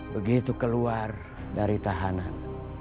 begitu keluar dari tahanan